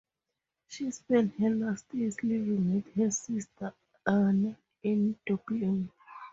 She spent her last years living with her sister Anne in Dublin.